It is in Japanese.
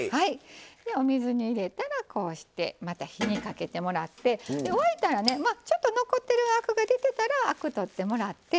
お水に入れたらこうしてまた火にかけてもらって沸いたらちょっと残ってるアクが出てたらアク取ってもらって。